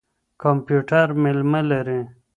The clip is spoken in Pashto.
کمپيوټر مېلمه لري.